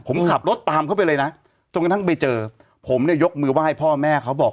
ผมขับรถตามเข้าไปเลยนะจนกระทั่งไปเจอผมเนี่ยยกมือไหว้พ่อแม่เขาบอก